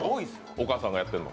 お母さんがやってるの？